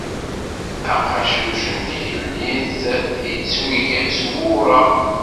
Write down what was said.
Aqacuc n Tgellidt yettweg s wureɣ.